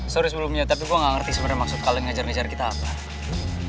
sorry sebelumnya tapi gua gak ngerti sebenernya maksud kalian ngajar ngajar kita apa